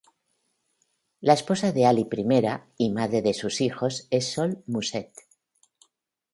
La esposa de Alí Primera y madre de sus hijos es Sol Musset.